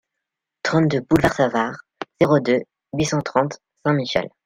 trente-deux boulevard Savart, zéro deux, huit cent trente Saint-Michel